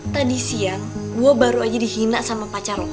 tadi siang gue baru aja dihina sama pacar lo